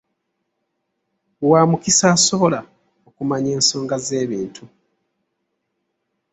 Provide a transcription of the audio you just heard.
Wa mukisa asobola okumanya ensonga z'ebintu.